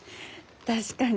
確かに。